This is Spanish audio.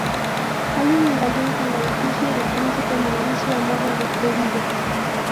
Hay un medallón con la efigie del príncipe Mauricio a modo de hebilla.